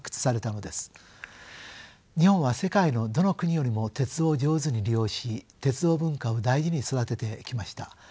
日本は世界のどの国よりも鉄道を上手に利用し鉄道文化を大事に育ててきました。